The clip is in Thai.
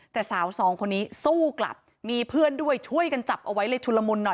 แต่สาวสองคนนี้สู้กลับมีเพื่อนด้วยช่วยกันจับเอาไว้เลยชุลมุนหน่อย